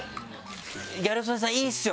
ギャル曽根さんいいですよね？